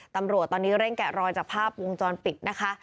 ตำรวจตอนนี้เร่งแกะรอยจากภาพวงจรปิดนะคะ